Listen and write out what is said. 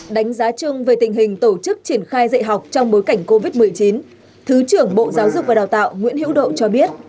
đánh giá chung về tình hình tổ chức triển khai dạy học trong bối cảnh covid một mươi chín thứ trưởng bộ giáo dục và đào tạo nguyễn hữu độ cho biết